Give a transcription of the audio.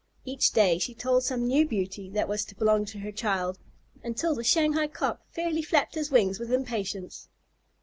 Each day she told some new beauty that was to belong to her child, until the Shanghai Cock fairly flapped his wings with impatience.